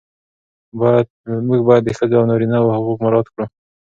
موږ باید د ښځو او نارینه وو حقوق مراعات کړو.